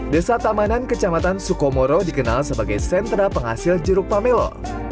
desa tamanan kecamatan sukomoro dikenal sebagai sentra penghasil jeruk pamelo